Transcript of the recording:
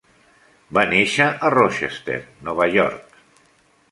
Va néixer a Rochester, Nova York.